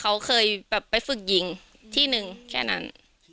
เขาเคยแบบไปฝึกยิงที่หนึ่งแค่นั้น